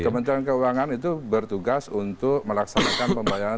kementerian keuangan itu bertugas untuk melaksanakan pembayaran